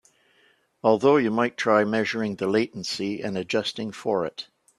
Although you might try measuring the latency and adjusting for it.